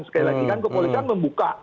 sekali lagi kan kepolisian membuka